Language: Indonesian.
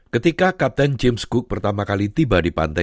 ketika kapten james cook pertama kali tiba di pantai